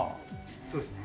そうですね。